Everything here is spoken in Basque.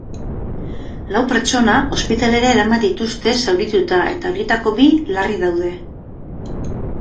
Lau pertsona ospitalera eraman dituzte, zaurituta, eta horietako bi larri daude.